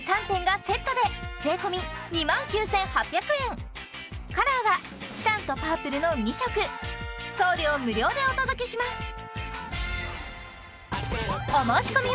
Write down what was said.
３点がセットで税込２万９８００円カラーはチタンとパープルの２色送料無料でお届けします